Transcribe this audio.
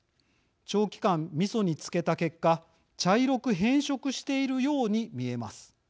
長期間、みそに漬けた結果茶色く変色しているように見えます。